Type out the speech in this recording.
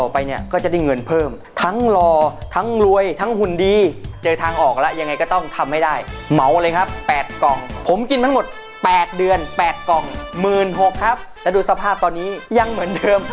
แปลกกล่อง๑๖๐๐๐ครับแล้วดูสภาพตอนนี้ยังเหมือนเดิม